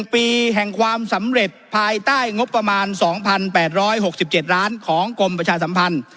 ปีแห่งความสำเร็จภายใต้งบประมาณ๒๘๖๗ล้านของกรมประชาสัมพันธ์